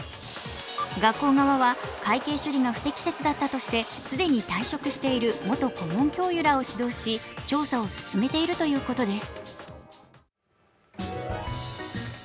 学校側は会計処理が不適切だったとして既に退職している元顧問教諭らを指導し、調査を進めているということです。